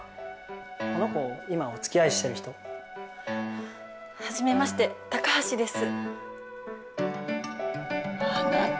この子今お付き合いしてる人初めまして高橋です